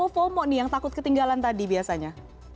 justru fomo fomo nih yang takut ketinggalan tadi biasanya